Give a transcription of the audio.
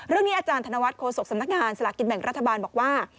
อาจารย์ธนวัฒนโฆษกสำนักงานสลากกินแบ่งรัฐบาลบอกว่า